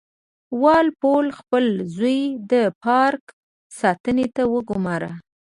وال پول خپل زوی د پارک ساتنې ته وګوماره.